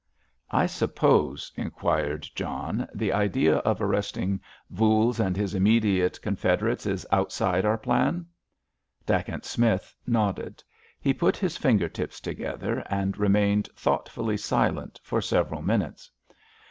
"I suppose," inquired John, "the idea of arresting Voules and his immediate confederates is outside our plan?" Dacent Smith nodded. He put his finger tips together, and remained thoughtfully silent for several minutes.